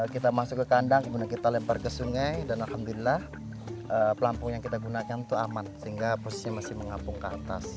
kita masuk ke kandang kemudian kita lempar ke sungai dan alhamdulillah pelampung yang kita gunakan itu aman sehingga posisi masih mengapung ke atas